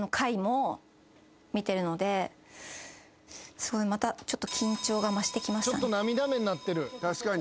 すごいまたちょっと緊張が増してきましたね。